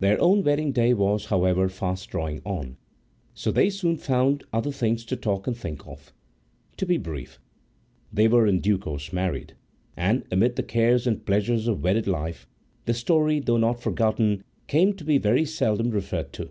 Their own wedding day was, however, fast drawing on, so they soon found other things to talk and think of. To be brief, they were in due course married, and, amid the cares and pleasures of wedded life, the story, though not forgotten, came to be very seldom referred to.